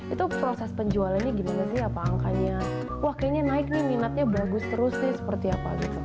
itu proses penjualannya gimana sih apa angkanya wah kayaknya naik nih minatnya bagus terus nih seperti apa gitu